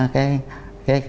cái vấn đề